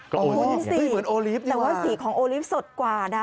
คุ้นสิเหมือนโอลิฟต์ดีกว่าแต่ว่าสีของโอลิฟต์สดกว่านะ